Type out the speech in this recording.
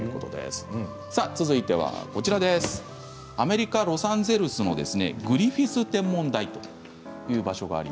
続いてはアメリカ・ロサンゼルスのグリフィス天文台です。